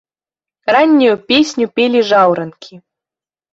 Раннюю песню пелі жаўранкі.